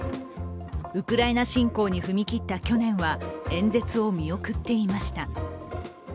ウクライナ侵攻に踏み切った去年は演説を見送っていました。